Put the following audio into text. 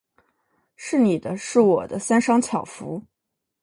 是你的；是我的，三商巧福。